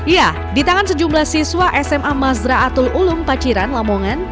ya di tangan sejumlah siswa sma mazra atul ulum paciran lamongan